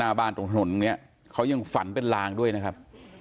หน้าบ้านตรงถนนเนี่ยเขายังฝันเป็นลางด้วยนะครับ